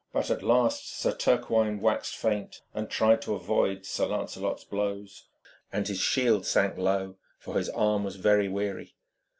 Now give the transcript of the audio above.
But at last Sir Turquine waxed faint and tried to avoid Sir Lancelot's blows, and his shield sank low, for his arm was very weary.